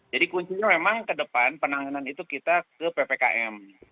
jadi kuncinya memang kedepan penanganan itu kita ke ppkm